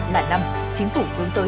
là năm chính phủ hướng tới